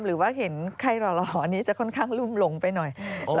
หรือว่าเห็นใครหล่ออันนี้จะค่อนข้างรุ่มหลงไปหน่อย